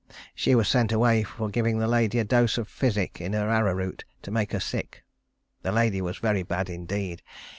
She was sent away for giving the lady a dose of physic in her arrow root to make her sick. The lady was very bad indeed.